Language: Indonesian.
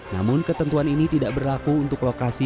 namun ketentuan ini tidak berlaku untuk lokasi